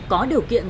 có điều kiện